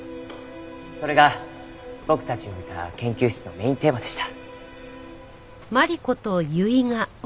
それが僕たちのいた研究室のメインテーマでした。